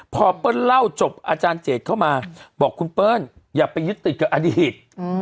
พอเปิ้ลเล่าจบอาจารย์เจดเข้ามาบอกคุณเปิ้ลอย่าไปยึดติดกับอดีต